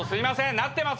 なってます